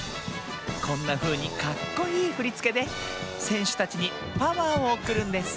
こんなふうにかっこいいふりつけでせんしゅたちにパワーをおくるんです